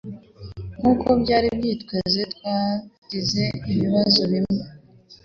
Nkuko byari byitezwe twagize ibibazo bimwe